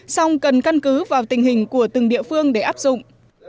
song cần căn cứ vào tình hình của từng địa phương để áp dụng